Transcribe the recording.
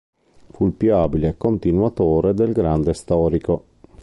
Fu il più abile continuatore del grande storico.